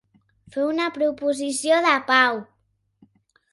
Fer una proposició de pau.